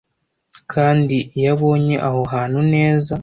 Kandi iyo abonye aho hantu neza